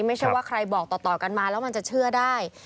ไม่ใช่ว่าใครบอกต่อกันมาแล้วมันจะเชื่อได้